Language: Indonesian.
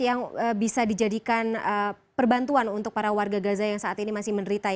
yang bisa dijadikan perbantuan untuk para warga gaza yang saat ini masih menderita